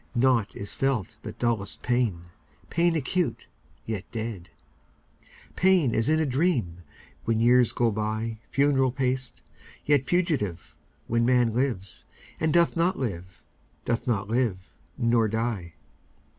Naught is felt but dullest pain, Pain acute, yet dead; Pain as in a dream, When years go byFuneral paced, yet fugitive, When man lives, and doth not live, Doth not live—nor die.